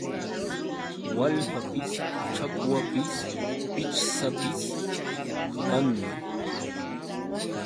Waalpapis, chakwapis, pichwsapis qaqanmi.